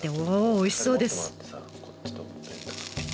おいしそうです。